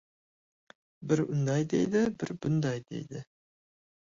Bir unday deydi, bir bunday deydi.